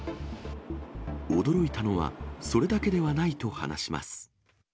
驚いたのは、それだけではないと話します。